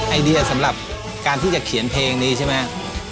ไอเดียสำหรับการที่จะเขียนเพลงนี้ใช่ไหม